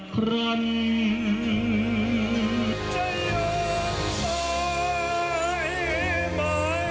ผู้ที่สุดผู้ที่อยู่จากแรง